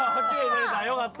よかった。